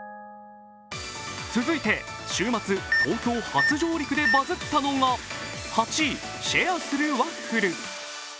続いて週末、東京初上陸でバズったのが、８位、シェアするワッフル。